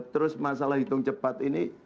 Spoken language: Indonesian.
terus masalah hitung cepat ini